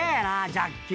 ジャッキー。